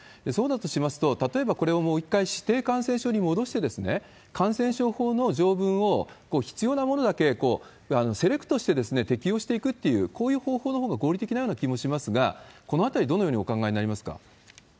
そうだとしますと、例えばこれをもう一回指定感染症に戻して、感染症法の条文を必要なものだけセレクトして適用していくっていう、こういう方法のほうが合理的なような気がしますが、このあたりどのようにお考えになりますか？